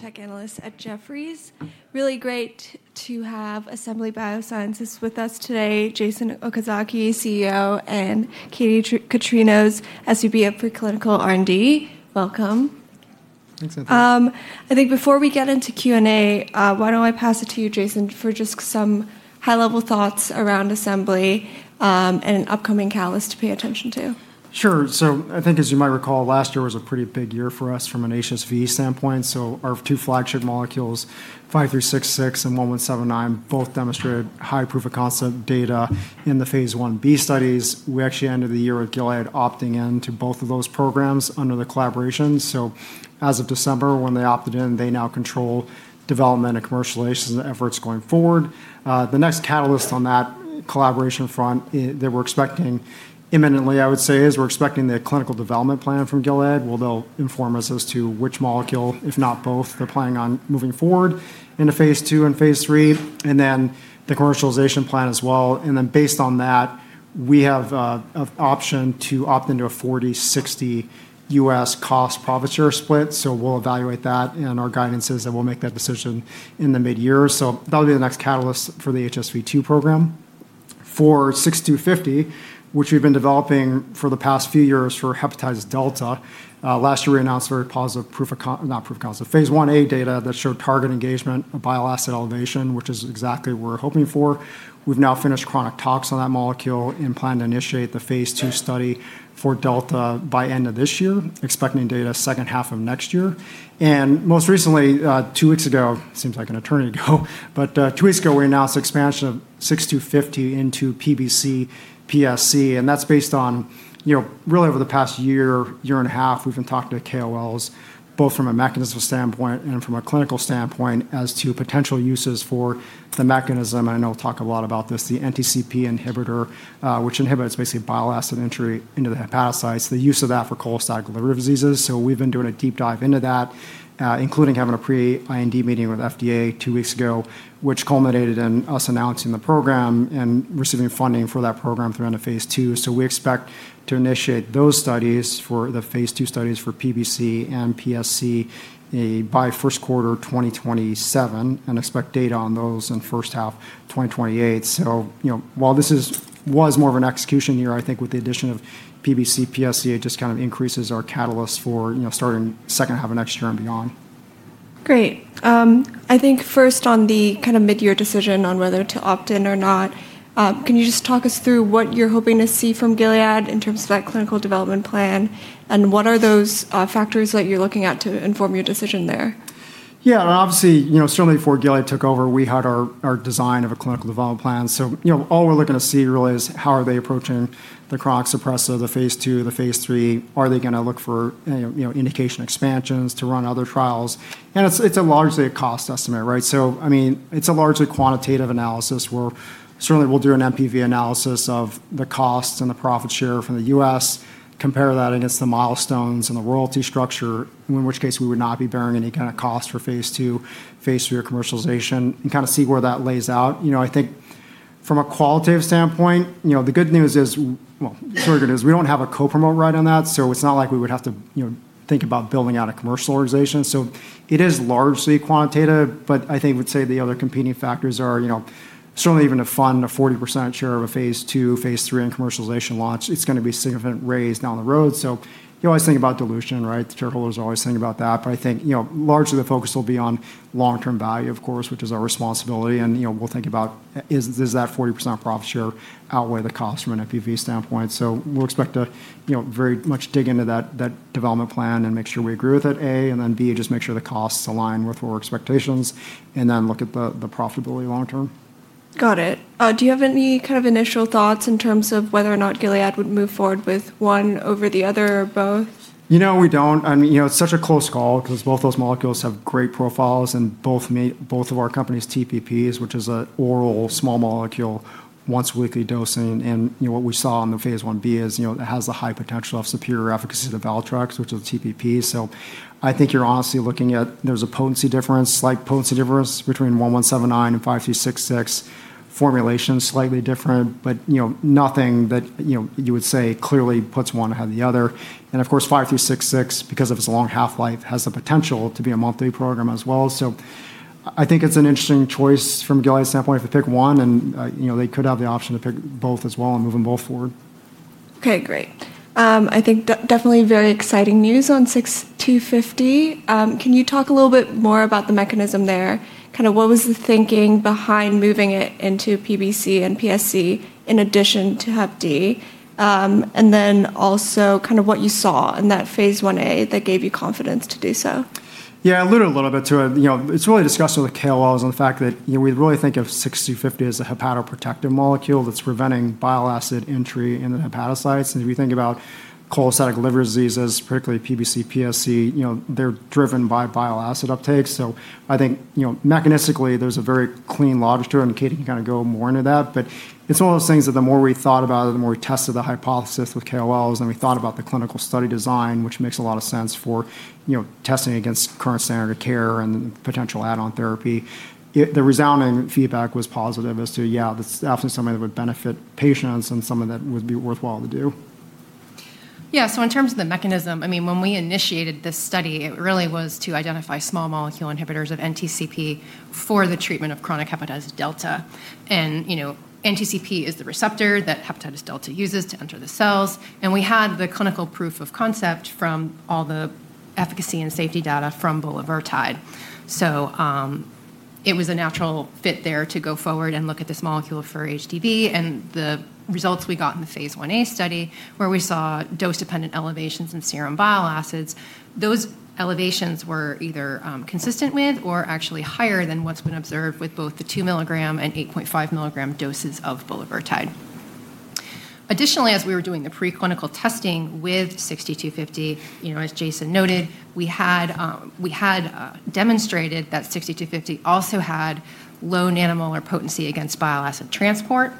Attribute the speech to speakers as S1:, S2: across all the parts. S1: Biotech analyst at Jefferies. Really great to have Assembly Biosciences with us today. Jason Okazaki, CEO, and Katie Kitrinos, SVP of Preclinical R&D. Welcome.
S2: Thanks.
S1: I think before we get into Q&A, why don't I pass it to you, Jason, for just some high-level thoughts around Assembly, and an upcoming catalyst to pay attention to.
S2: Sure. I think as you might recall, last year was a pretty big year for us from an HSV standpoint. Our two flagship molecules, ABI-5366 and ABI-1179, both demonstrated high proof of concept data in the Phase I-B studies. We actually ended the year with Gilead opting in to both of those programs under the collaboration. As of December, when they opted in, they now control development and commercialization efforts going forward. The next catalyst on that collaboration front that we're expecting imminently, I would say, is we're expecting the clinical development plan from Gilead, where they'll inform us as to which molecule, if not both, they're planning on moving forward into Phase II and Phase III, and then the commercialization plan as well. Based on that, we have an option to opt into a 40/60 U.S. cost profit share split. We'll evaluate that and our guidances, and we'll make that decision in the mid-year. That'll be the next catalyst for the HSV-2 program. For 6250, which we've been developing for the past few years for hepatitis delta, last year we announced very positive phase I-A data that showed target engagement and bile acid elevation, which is exactly what we're hoping for. We've now finished chronic tox on that molecule and plan to initiate the phase II study for delta by end of this year, expecting data second half of next year. Most recently, two weeks ago, seems like an eternity ago but two weeks ago, we announced expansion of ABI-6250 into PBC, PSC, and that's based on really over the past year and a half, we've been talking to KOLs, both from a mechanism standpoint and from a clinical standpoint, as to potential uses for the mechanism. I know I talk a lot about this, the NTCP inhibitor, which inhibits basically bile acid entry into the hepatocytes, the use of that for cholestatic liver diseases. We've been doing a deep dive into that, including having a pre-IND meeting with FDA two weeks ago, which culminated in us announcing the program and receiving funding for that program through end of phase II. We expect to initiate those studies for the phase II studies for PBC and PSC by first quarter 2027 and expect data on those in first half 2028. While this was more of an execution year, I think with the addition of PBC, PSC, it just kind of increases our catalyst for starting second half of next year and beyond.
S1: Great. I think first on the kind of mid-year decision on whether to opt in or not, can you just talk us through what you're hoping to see from Gilead in terms of that clinical development plan, and what are those factors that you're looking at to inform your decision there?
S2: Certainly before Gilead took over, we had our design of a clinical development plan. All we're looking to see really is how are they approaching the chronic suppressive, the phase II, the phase III, are they going to look for indication expansions to run other trials? It's largely a cost estimate, right? It's a largely quantitative analysis where certainly we'll do an NPV analysis of the costs and the profit share from the U.S., compare that against the milestones and the royalty structure, in which case we would not be bearing any kind of cost for phase II, phase III, or commercialization, and kind of see where that lays out. I think from a qualitative standpoint, the good news is we don't have a co-promote right on that, so it's not like we would have to think about building out a commercialization. It is largely quantitative, but I think we'd say the other competing factors are certainly even to fund a 40% share of a phase II, phase III, and commercialization launch, it's going to be a significant raise down the road. You always think about dilution, right? The shareholders are always thinking about that. I think largely the focus will be on long-term value, of course, which is our responsibility. We'll think about does that 40% profit share outweigh the cost from an NPV standpoint. We'll expect to very much dig into that development plan and make sure we agree with it, A, and then B, just make sure the costs align with our expectations and then look at the profitability long term.
S1: Got it. Do you have any kind of initial thoughts in terms of whether or not Gilead would move forward with one over the other or both?
S2: We don't. It's such a close call because both those molecules have great profiles and both of our companies TPPs, which is an oral small molecule once-weekly dosing. What we saw on the phase I-B is it has the high potential of superior efficacy to the TPP, which is a TPP. I think you're honestly looking at there's a slight potency difference between 1179 and 5366 formulations, slightly different, but nothing that you would say clearly puts one ahead of the other. Of course, 5366, because of its long half-life, has the potential to be a monthly program as well. I think it's an interesting choice from Gilead's standpoint if they pick one, and they could have the option to pick both as well and move them both forward.
S1: Okay, great. I think definitely very exciting news on ABI-6250. Can you talk a little bit more about the mechanism there? What was the thinking behind moving it into PBC and PSC in addition to Hep D? Also what you saw in that phase I-A that gave you confidence to do so?
S2: Yeah, I alluded a little bit to it. It's really a discussion with KOLs on the fact that we really think of ABI-6250 as a hepatoprotective molecule that's preventing bile acid entry into the hepatocytes. If we think about cholestatic liver diseases, particularly PBC, PSC, they're driven by bile acid uptake. I think mechanistically, there's a very clean logic to it, and Katie can go more into that. It's one of those things that the more we thought about it, the more we tested the hypothesis with KOLs, and we thought about the clinical study design, which makes a lot of sense for testing against current standard of care and potential add-on therapy. The resounding feedback was positive as to, yeah, this is definitely something that would benefit patients and something that would be worthwhile to do.
S3: In terms of the mechanism, when we initiated this study, it really was to identify small molecule inhibitors of NTCP for the treatment of chronic hepatitis delta. NTCP is the receptor that hepatitis delta uses to enter the cells. We had the clinical proof of concept from all the efficacy and safety data from bulevirtide. It was a natural fit there to go forward and look at this molecule for HDV. The results we got in the phase I-A study, where we saw dose-dependent elevations in serum bile acids, those elevations were either consistent with or actually higher than what's been observed with both the 2 milligram and 8.5 milligram doses of bulevirtide. Additionally, as we were doing the preclinical testing with ABI-6250, as Jason noted, we had demonstrated that ABI-6250 also had low nanomolar potency against bile acid transport.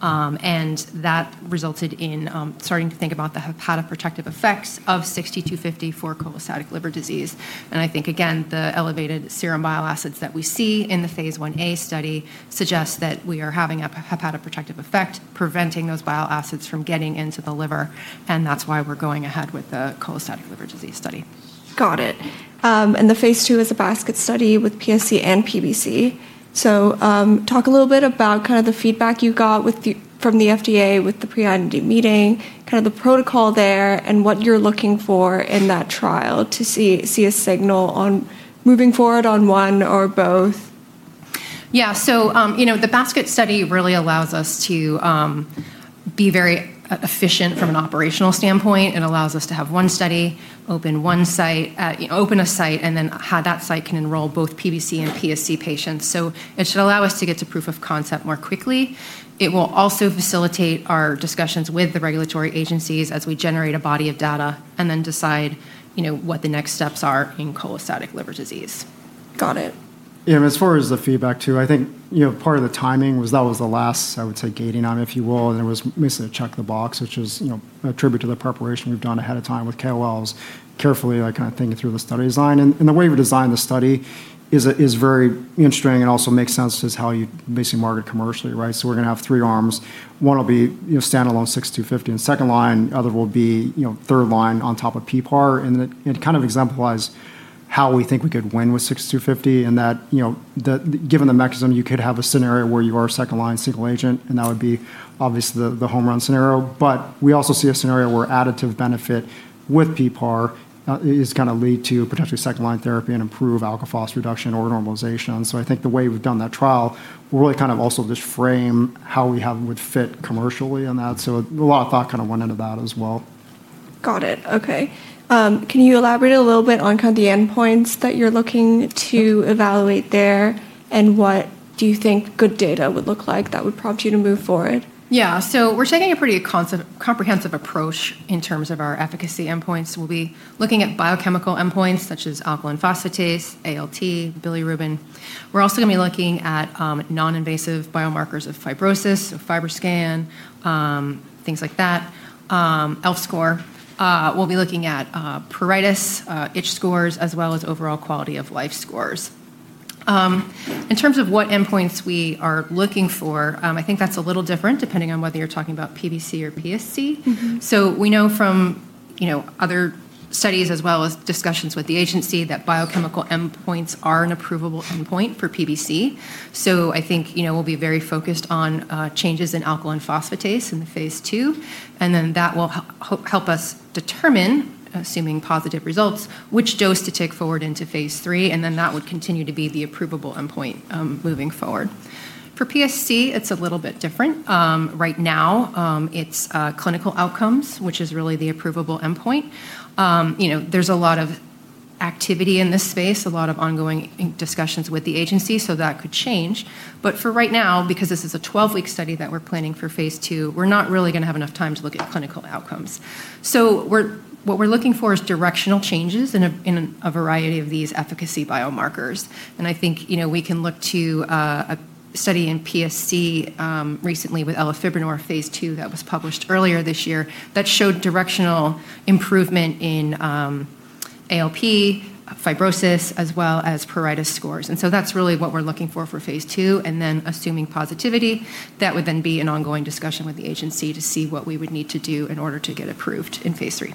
S3: That resulted in starting to think about the hepatoprotective effects of ABI-6250 for cholestatic liver disease. I think, again, the elevated serum bile acids that we see in the phase I-A study suggest that we are having a hepatoprotective effect, preventing those bile acids from getting into the liver, and that's why we're going ahead with the cholestatic liver disease study.
S1: Got it. The phase II is a basket study with PSC and PBC. Talk a little bit about the feedback you got from the FDA with the pre-IND meeting, the protocol there, and what you're looking for in that trial to see a signal on moving forward on one or both.
S3: The basket study really allows us to be very efficient from an operational standpoint. It allows us to have one study, open a site, and then that site can enroll both PBC and PSC patients. It should allow us to get to proof of concept more quickly. It will also facilitate our discussions with the regulatory agencies as we generate a body of data and then decide what the next steps are in cholestatic liver disease.
S1: Got it.
S2: Yeah, as far as the feedback too, I think, part of the timing was that was the last, I would say, gating item, if you will. It was basically a check the box, which is attributable to the preparation we've done ahead of time with KOLs carefully thinking through the study design. The way we've designed the study is very interesting and also makes sense as to how you basically market commercially. We're going to have three arms. One will be standalone ABI-6250 and second-line, the other will be third-line on top of PPAR. It kind of exemplifies how we think we could win with ABI-6250, in that, given the mechanism, you could have a scenario where you are a second-line single agent, and that would be obviously the home run scenario. We also see a scenario where additive benefit with PPAR is going to lead to potentially second-line therapy and improve alk phos reduction or normalization. I think the way we've done that trial will really also just frame how we would fit commercially in that. A lot of thought went into that as well.
S1: Got it. Okay. Can you elaborate a little bit on the endpoints that you're looking to evaluate there, and what do you think good data would look like that would prompt you to move forward?
S3: Yeah. We're taking a pretty comprehensive approach in terms of our efficacy endpoints. We'll be looking at biochemical endpoints, such as alkaline phosphatase, ALT, bilirubin. We're also going to be looking at non-invasive biomarkers of fibrosis, FibroScan, things like that. ELF score. We'll be looking at pruritus itch scores, as well as overall quality of life scores. In terms of what endpoints we are looking for, I think that's a little different depending on whether you're talking about PBC or PSC. We know from other studies, as well as discussions with the agency, that biochemical endpoints are an approvable endpoint for PBC. I think we'll be very focused on changes in alkaline phosphatase in the phase II, and then that will help us determine, assuming positive results, which dose to take forward into phase III, and then that would continue to be the approvable endpoint moving forward. For PSC, it's a little bit different. Right now, it's clinical outcomes, which is really the approvable endpoint. There's a lot of activity in this space, a lot of ongoing discussions with the agency, that could change. For right now, because this is a 12 week study that we're planning for phase II, we're not really going to have enough time to look at clinical outcomes. What we're looking for is directional changes in a variety of these efficacy biomarkers. I think we can look to a study in PSC recently with elafibranor phase II that was published earlier this year that showed directional improvement in ALP, fibrosis, as well as pruritus scores. That's really what we're looking for phase II. Assuming positivity, that would then be an ongoing discussion with the agency to see what we would need to do in order to get approved in phase III.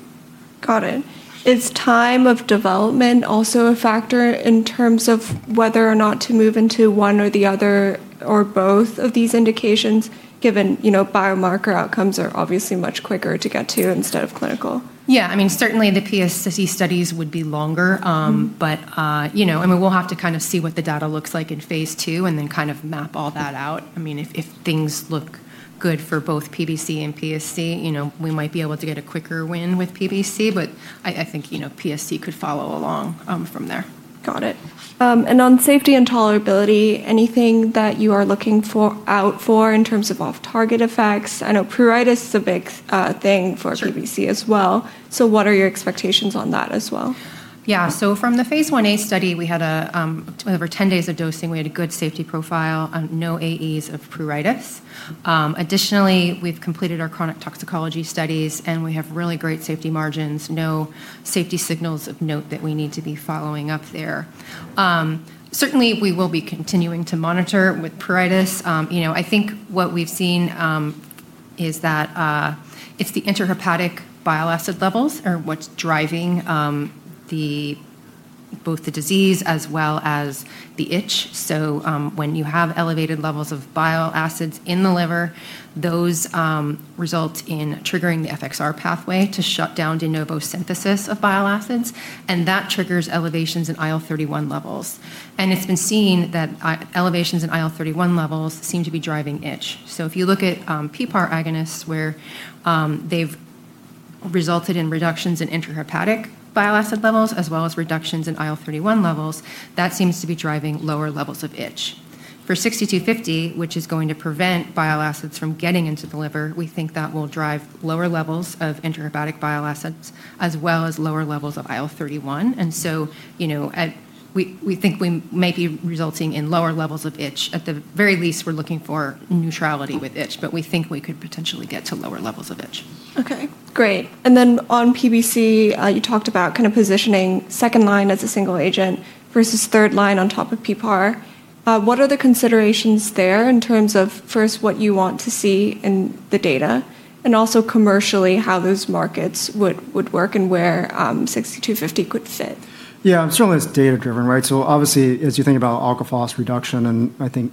S1: Got it. Is time of development also a factor in terms of whether or not to move into one or the other or both of these indications, given biomarker outcomes are obviously much quicker to get to instead of clinical?
S3: Yeah. Certainly the PSC studies would be longer. we'll have to see what the data looks like in phase II and then map all that out. If things look good for both PBC and PSC, we might be able to get a quicker win with PBC, but I think PSC could follow along from there.
S1: Got it. On safety and tolerability, anything that you are looking out for in terms of off-target effects? I know pruritus is a big thing for.
S3: Sure.
S1: PBC as well. What are your expectations on that as well?
S3: Yeah. From the Phase 1a study, over 10 days of dosing, we had a good safety profile, no AEs of pruritus. Additionally, we've completed our chronic toxicology studies, and we have really great safety margins. No safety signals of note that we need to be following up there. Certainly, we will be continuing to monitor with pruritus. I think what we've seen is that it's the intrahepatic bile acid levels are what's driving both the disease as well as the itch. When you have elevated levels of bile acids in the liver, those result in triggering the FXR pathway to shut down de novo synthesis of bile acids, and that triggers elevations in IL31 levels. It's been seen that elevations in IL31 levels seem to be driving itch. If you look at PPAR agonists where they've resulted in reductions in intrahepatic bile acid levels as well as reductions in IL31 levels, that seems to be driving lower levels of itch. For ABI-6250, which is going to prevent bile acids from getting into the liver, we think that will drive lower levels of intrahepatic bile acids as well as lower levels of IL31. We think we may be resulting in lower levels of itch. At the very least, we're looking for neutrality with itch, but we think we could potentially get to lower levels of itch.
S1: Okay, great. On PBC, you talked about positioning second line as a single agent versus third line on top of PPAR. What are the considerations there in terms of, first, what you want to see in the data, and also commercially, how those markets would work and where ABI-6250 could fit?
S2: Yeah, certainly it's data-driven, right? Obviously, as you think about alk phos reduction, and I think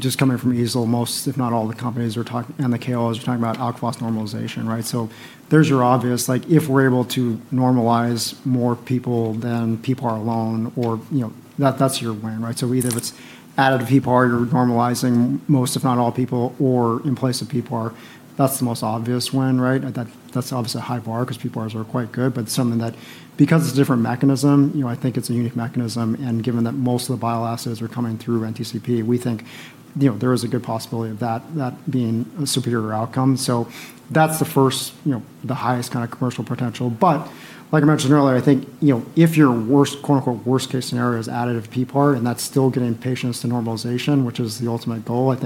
S2: just coming from EASL, most if not all the companies and the KOLs are talking about alk phos normalization. There's your obvious, if we're able to normalize more people than PPAR alone or, that's your win, right? Either if it's added to PPAR, you're normalizing most if not all people, or in place of PPAR, that's the most obvious win. That's obviously a high bar because PPARs are quite good, but something that because it's a different mechanism, I think it's a unique mechanism and given that most of the bile acids are coming through NTCP, we think there is a good possibility of that being a superior outcome. That's the first, the highest kind of commercial potential. Like I mentioned earlier, I think if your quote unquote worst case scenario is additive PPAR and that's still getting patients to normalization, which is the ultimate goal, I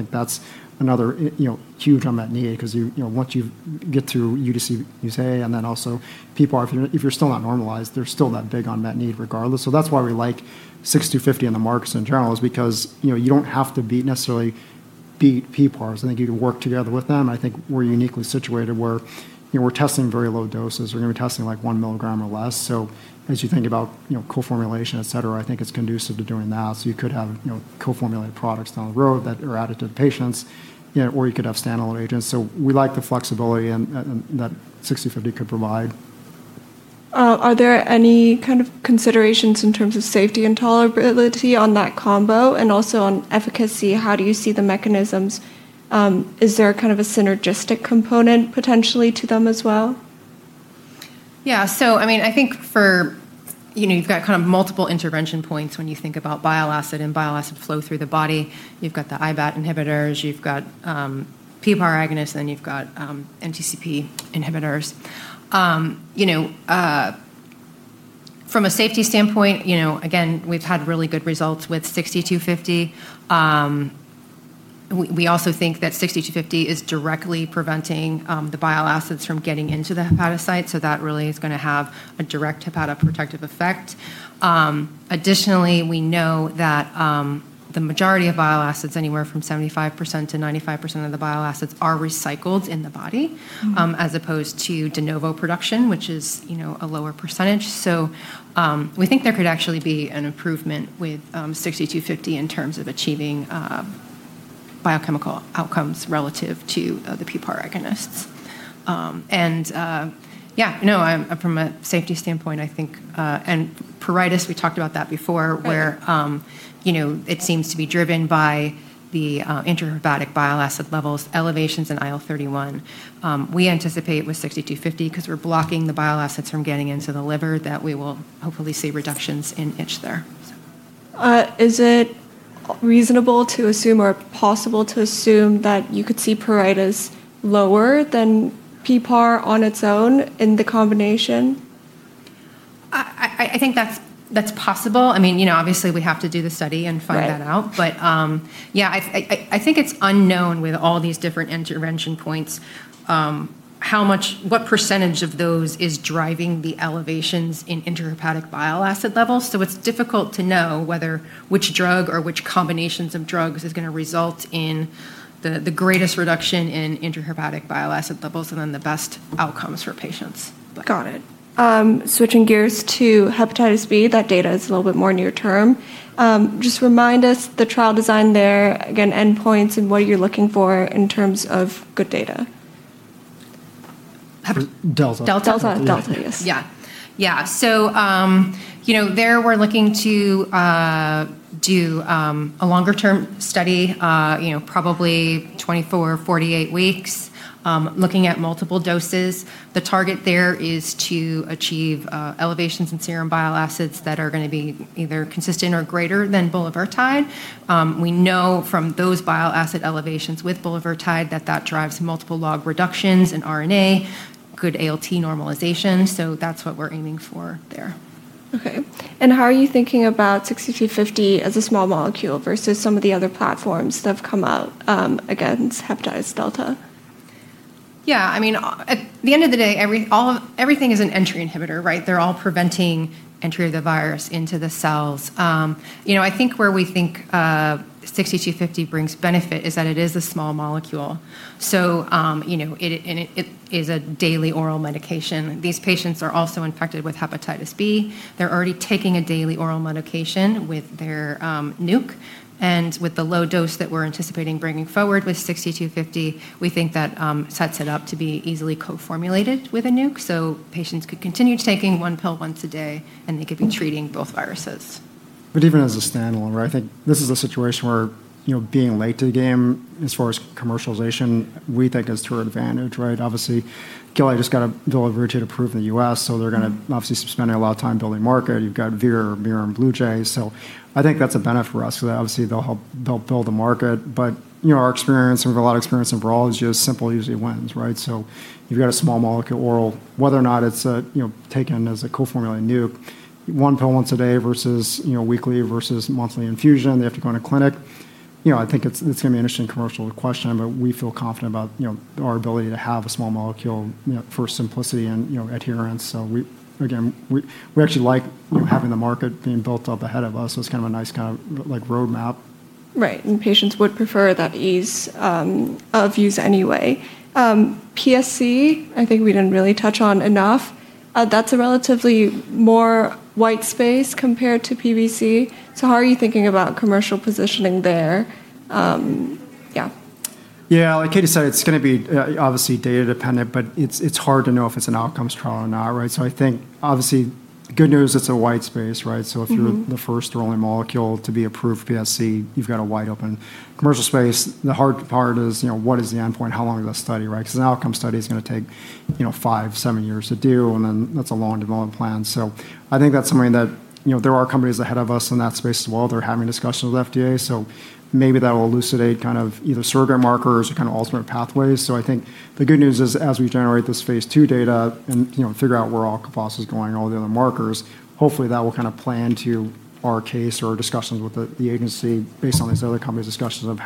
S2: think that's another huge unmet need because once you get through UDCA and then also PPAR, if you're still not normalized, they're still that big unmet need regardless. That's why we like 6250 in the markets in general is because you don't have to necessarily beat PPARs. I think you can work together with them. I think we're uniquely situated where we're testing very low doses. We're going to be testing one milligram or less. As you think about co-formulation, et cetera, I think it's conducive to doing that. You could have co-formulated products down the road that are added to the patients or you could have standalone agents. We like the flexibility that 6250 could provide.
S1: Are there any kind of considerations in terms of safety and tolerability on that combo and also on efficacy? How do you see the mechanisms? Is there a synergistic component potentially to them as well?
S3: I think you've got kind of multiple intervention points when you think about bile acid and bile acid flow through the body. You've got the IBAT inhibitors, you've got PPAR agonists, you've got NTCP inhibitors. From a safety standpoint, again, we've had really good results with ABI-6250. We also think that ABI-6250 is directly preventing the bile acids from getting into the hepatocyte, that really is going to have a direct hepatoprotective effect. We know that the majority of bile acids, anywhere from 75%-95% of the bile acids, are recycled in the body as opposed to de novo production, which is a lower percentage. We think there could actually be an improvement with ABI-6250 in terms of achieving biochemical outcomes relative to the PPAR agonists. From a safety standpoint, I think, and pruritus, we talked about that before. Where it seems to be driven by the intrahepatic bile acid levels, elevations in IL31. We anticipate with ABI-6250, because we're blocking the bile acids from getting into the liver, that we will hopefully see reductions in itch there.
S1: Is it reasonable to assume or possible to assume that you could see pruritus lower than PPAR on its own in the combination?
S3: I think that's possible. Obviously, we have to do the study and find that out.
S1: Right.
S3: Yeah, I think it's unknown with all these different intervention points, what percentage of those is driving the elevations in intrahepatic bile acid levels. It's difficult to know which drug or which combinations of drugs is going to result in the greatest reduction in intrahepatic bile acid levels and then the best outcomes for patients.
S1: Got it. Switching gears to hepatitis B, that data is a little bit more near term. Just remind us the trial design there, again, endpoints and what you're looking for in terms of good data.
S2: Delta.
S3: Delta.
S1: Delta, yes.
S3: Yeah. There we're looking to do a longer-term study, probably 24, 48 weeks, looking at multiple doses. The target there is to achieve elevations in serum bile acids that are going to be either consistent or greater than bulevirtide. We know from those bile acid elevations with bulevirtide that that drives multiple log reductions in RNA, good ALT normalization. That's what we're aiming for there.
S1: Okay. How are you thinking about ABI-6250 as a small molecule versus some of the other platforms that have come out against hepatitis delta?
S3: Yeah. At the end of the day, everything is an entry inhibitor. They're all preventing entry of the virus into the cells. I think where we think ABI-6250 brings benefit is that it is a small molecule, so it is a daily oral medication. These patients are also infected with hepatitis B. They're already taking a daily oral medication with their NUC, and with the low dose that we're anticipating bringing forward with ABI-6250, we think that sets it up to be easily co-formulated with a NUC, so patients could continue taking one pill once a day, and they could be treating both viruses.
S2: Even as a standalone, I think this is a situation where being late to the game as far as commercialization, we think is to our advantage. Obviously, Gilead just got dolutegravir approved in the U.S., they're going to obviously be spending a lot of time building market. You've got Vir, Mir, and Bluejay. I think that's a benefit for us because obviously they'll help build the market. Our experience, and we have a lot of experience in virology, is simple usually wins. You've got a small molecule oral, whether or not it's taken as a co-formula NUC, one pill once a day versus weekly versus monthly infusion. They have to go into clinic. I think it's going to be an interesting commercial question, but we feel confident about our ability to have a small molecule for simplicity and adherence. Again, we actually like having the market being built up ahead of us as kind of a nice roadmap.
S1: Right. Patients would prefer that ease of use anyway. PSC, I think we didn't really touch on enough. That's a relatively more white space compared to PBC. How are you thinking about commercial positioning there? Yeah.
S2: Yeah, like Katie said, it's going to be obviously data dependent, but it's hard to know if it's an outcomes trial or not. I think obviously, good news, it's a white space. If you're the first or only molecule to be approved for PSC, you've got a wide-open commercial space. The hard part is, what is the endpoint? How long is the study? Because an outcome study is going to take five, seven years to do, and then that's a long development plan. I think that's something that there are companies ahead of us in that space as well. They're having discussions with FDA, so maybe that'll elucidate either surrogate markers or alternate pathways. I think the good news is, as we generate this phase II data and figure out where alk phos is going, all the other markers, hopefully that will play into our case or discussions with the agency based on these other companies' discussions of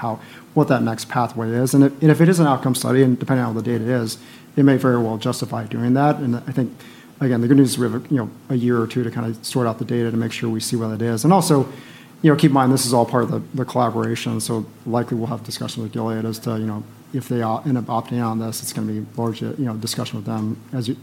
S2: what that next pathway is. If it is an outcome study, and depending on how the data is, it may very well justify doing that. I think, again, the good news is we have a year or two to sort out the data to make sure we see what it is. Also, keep in mind, this is all part of the collaboration, so likely we'll have discussions with Gilead as to if they end up opting on this, it's going to be a large discussion with them.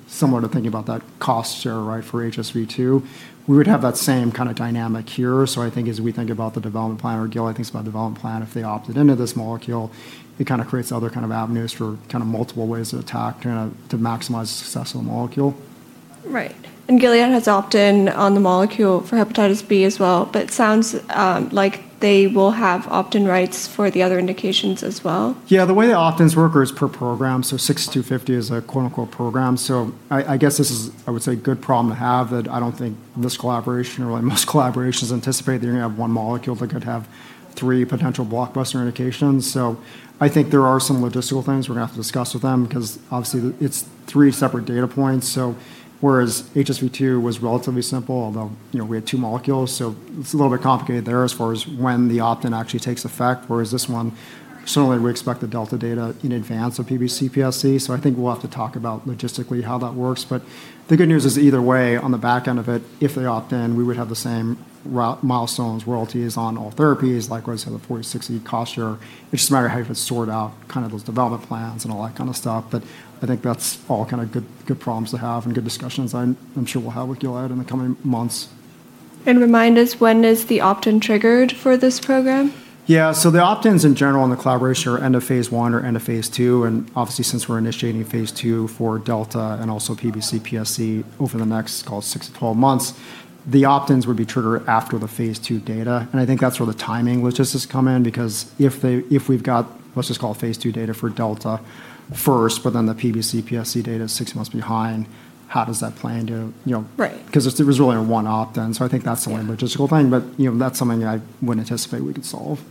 S2: Similar to thinking about that cost share for HSV-2, we would have that same kind of dynamic here. I think as we think about the development plan or Gilead thinks about development plan, if they opted into this molecule, it creates other avenues for multiple ways of attack to maximize the success of the molecule.
S1: Right. Gilead has opt-in on the molecule for hepatitis B as well, but it sounds like they will have opt-in rights for the other indications as well.
S2: Yeah, the way the opt-ins work are as per program, so ABI-6250 is a "program" so I guess this is, I would say, a good problem to have, that I don't think this collaboration or most collaborations anticipate that you're going to have one molecule that could have three potential blockbuster indications. I think there are some logistical things we're going to have to discuss with them because obviously it's three separate data points. Whereas HSV-2 was relatively simple, although we had two molecules, so it's a little bit complicated there as far as when the opt-in actually takes effect, whereas this one, similarly, we expect the delta data in advance of PBC, PSC. I think we'll have to talk about logistically how that works. The good news is either way, on the back end of it, if they opt-in, we would have the same milestones, royalties on all therapies, likewise, have a 40/60 cost share. It's just a matter of how you sort out those development plans and all that kind of stuff. I think that's all good problems to have and good discussions I'm sure we'll have with Gilead in the coming months.
S1: Remind us, when is the opt-in triggered for this program?
S2: Yeah. The opt-ins in general in the collaboration are end of phase I or end of phase II. Obviously, since we're initiating phase II for delta and also PBC, PSC over the next, call it 6 to 12 months, the opt-ins would be triggered after the phase II data. I think that's where the timing logistics come in, because if we've got, let's just call it phase II data for delta first, but then the PBC, PSC data is six months behind, how does that play into it?
S1: Right.
S2: There was really only one opt-in. I think that's the only logistical thing, but that's something I would anticipate we could solve.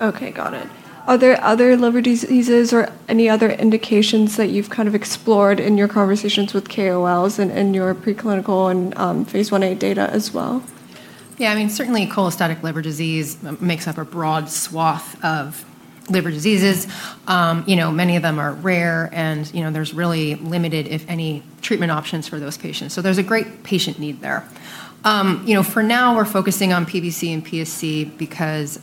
S1: Okay, got it. Are there other liver diseases or any other indications that you've explored in your conversations with KOLs and in your preclinical and phase I-A data as well?
S3: Certainly cholestatic liver disease makes up a broad swath of liver diseases. Many of them are rare, and there's really limited, if any, treatment options for those patients. There's a great patient need there. For now, we're focusing on PBC and PSC because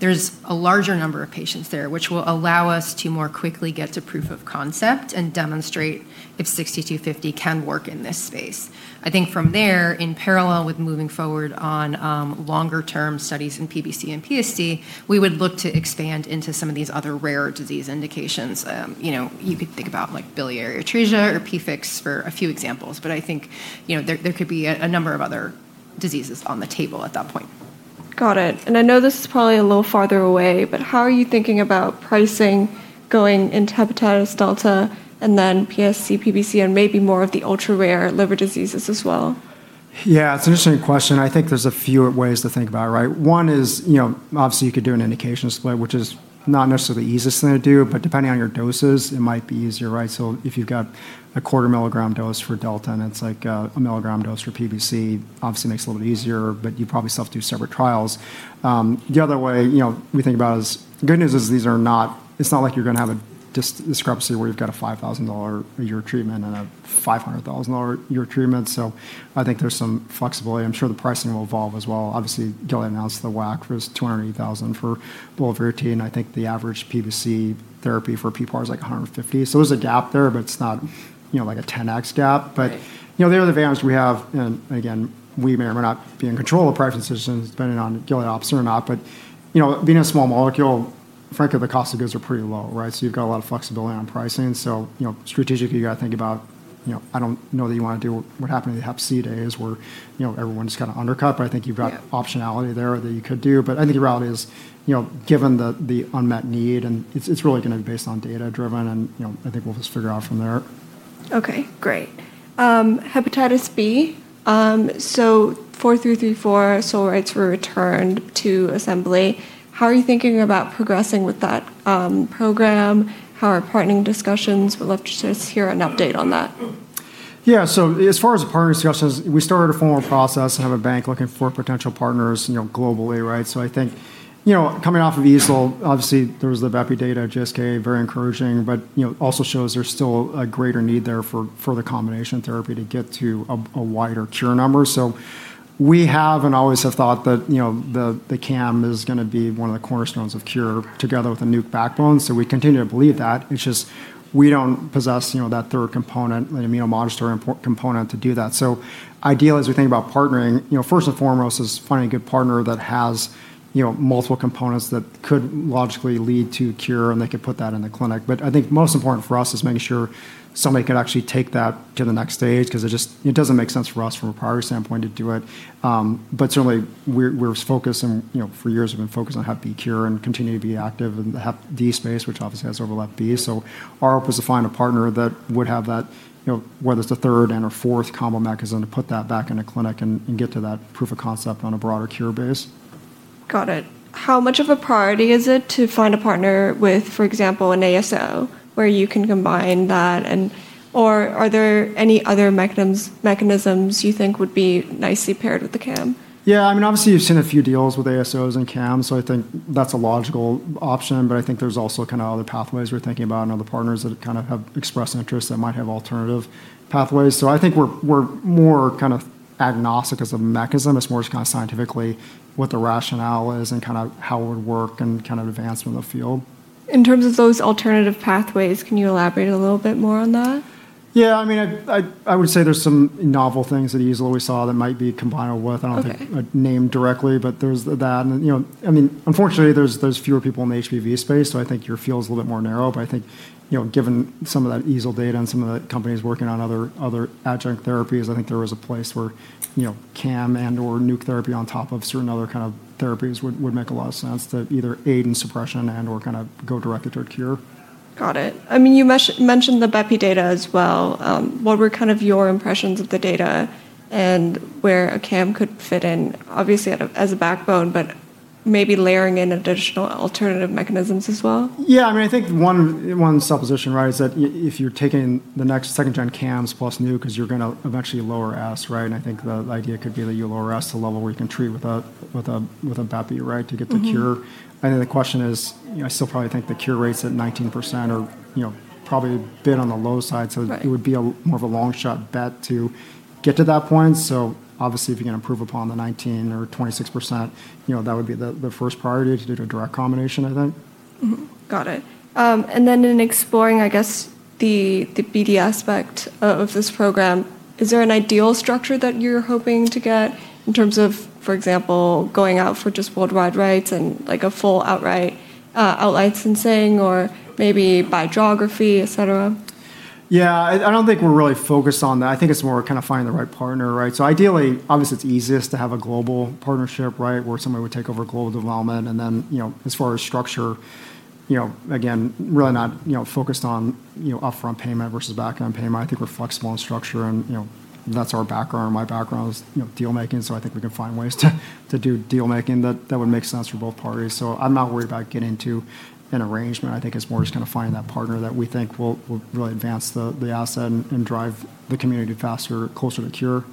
S3: there's a larger number of patients there, which will allow us to more quickly get to proof of concept and demonstrate if ABI-6250 can work in this space. I think from there, in parallel with moving forward on longer-term studies in PBC and PSC, we would look to expand into some of these other rare disease indications. You could think about biliary atresia or PFIC for a few examples, but I think there could be a number of other diseases on the table at that point.
S1: Got it. I know this is probably a little farther away, but how are you thinking about pricing going into hepatitis delta and then PSC, PBC, and maybe more of the ultra-rare liver diseases as well?
S2: Yeah. It's an interesting question. I think there's a few ways to think about it, right? One is, obviously you could do an indication split, which is not necessarily the easiest thing to do, but depending on your doses, it might be easier, right? If you've got a quarter milligram dose for delta and it's like a milligram dose for PBC, obviously makes it a little bit easier, but you'd probably still have to do separate trials. The other way we think about it is, the good news is it's not like you're going to have a discrepancy where you've got a $5,000-a-year treatment and a $500,000-a-year treatment, so I think there's some flexibility. I'm sure the pricing will evolve as well. Obviously, Gilead announced the WAC was $280,000 for bulevirtide, and I think the average PBC therapy for people is like $150,000. There's a gap there, but it's not a 10x gap.
S1: Right.
S2: The other advantage we have, again, we may or may not be in control of the pricing decisions depending on Gilead opts in or not, being a small molecule, frankly, the cost of goods are pretty low, right? You've got a lot of flexibility on pricing. Strategically, you've got to think about, I don't know that you want to do what happened in the hep C days where everyone just kind of undercut, but I think you've got. Optionality there that you could do. I think the reality is, given the unmet need, it's really going to be based on data driven, and I think we'll just figure it out from there.
S1: Okay, great. Hepatitis B, ABI-4334 sole rights were returned to Assembly. How are you thinking about progressing with that program? How are partnering discussions? Would love to just hear an update on that.
S2: Yeah. As far as partnering discussions, we started a formal process and have a bank looking for potential partners globally, right? I think coming off of EASL, obviously there was the bepirovirsen data at AASLD, very encouraging, but also shows there's still a greater need there for the combination therapy to get to a wider cure number. We have and always have thought that the CAM is going to be one of the cornerstones of cure together with a nuc backbone. We continue to believe that, it's just we don't possess that third component, the immunomodulatory component to do that. Ideally, as we think about partnering, first and foremost is finding a good partner that has multiple components that could logically lead to cure and they could put that in the clinic. I think most important for us is making sure somebody could actually take that to the next stage because it doesn't make sense for us from a priority standpoint to do it. Certainly, we're focused and for years we've been focused on hep B cure and continue to be active in the hep D space, which obviously has overlap B. Our hope is to find a partner that would have that, whether it's the third and/or fourth combo mechanism, to put that back in a clinic and get to that proof of concept on a broader cure base.
S1: Got it. How much of a priority is it to find a partner with, for example, an ASO, where you can combine that, or are there any other mechanisms you think would be nicely paired with the CAM?
S2: Yeah. Obviously you've seen a few deals with ASOs and CAM, so I think that's a logical option, but I think there's also other pathways we're thinking about and other partners that have expressed an interest that might have alternative pathways. I think we're more agnostic as a mechanism. It's more just scientifically what the rationale is and how it would work and advancement in the field.
S1: In terms of those alternative pathways, can you elaborate a little bit more on that?
S2: Yeah. I would say there's some novel things at EASL that we saw that might be combinable with-
S1: Okay
S2: I don't think I can name directly, there's that. Unfortunately, there's fewer people in the HBV space, I think your field's a little bit more narrow. I think given some of that EASL data and some of the companies working on other adjunct therapies, I think there is a place where CAM and/or NUC therapy on top of certain other kind of therapies would make a lot of sense to either aid in suppression and/or go direct to a cure.
S1: Got it. You mentioned the bepirovirsen data as well. What were your impressions of the data and where a CAM could fit in? Obviously as a backbone, but maybe layering in additional alternative mechanisms as well?
S2: Yeah. I think one supposition, right, is that if you're taking the next second-gen CAMs plus NUC, because you're going to eventually lower S, right? I think the idea could be that you lower S to a level where you can treat with a bepirovirsen right, to get the cure. I think the question is, I still probably think the cure rate's at 19% or probably a bit on the low side.
S1: Right
S2: It would be more of a long-shot bet to get to that point. Obviously if you can improve upon the 19% or 26%, that would be the first priority to do a direct combination, I think.
S1: Got it. In exploring, I guess, the BD aspect of this program, is there an ideal structure that you're hoping to get in terms of, for example, going out for just worldwide rights and a full outright licensing or maybe by geography, et cetera?
S2: I don't think we're really focused on that. I think it's more finding the right partner, right? Ideally, obviously it's easiest to have a global partnership, right? Where somebody would take over global development, and then as far as structure, again, really not focused on upfront payment versus back-end payment. I think we're flexible on structure and that's our background, or my background is deal-making, so I think we can find ways to do deal-making that would make sense for both parties. I'm not worried about getting into an arrangement. I think it's more just finding that partner that we think will really advance the asset and drive the community faster, closer to cure.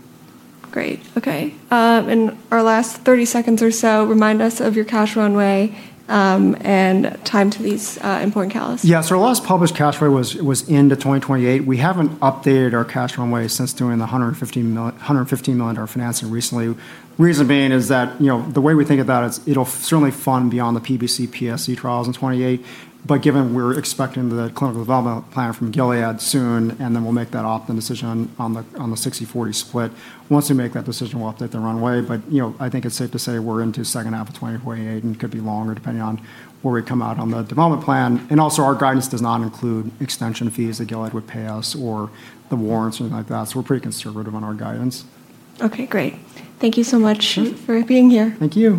S1: Great. Okay. In our last 30 seconds or so, remind us of your cash runway, and time to these important calls.
S2: Our last published cash flow was into 2028. We haven't updated our cash runway since doing the $115 million financing recently. Reason being is that the way we think about it'll certainly fund beyond the PBC PSC trials in 2028. Given we're expecting the clinical development plan from Gilead soon, and then we'll make that opt-in decision on the 60/40 split. Once we make that decision, we'll update the runway, but I think it's safe to say we're into second half of 2028, and could be longer depending on where we come out on the development plan. Also, our guidance does not include extension fees that Gilead would pay us or the warrants or anything like that, so we're pretty conservative on our guidance.
S1: Okay, great. Thank you so much for being here.
S2: Thank you.